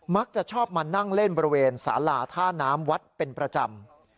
มักจะชอบมานั่งเล่นบริเวณสาลาท่าน้ำวัดเป็นประจำ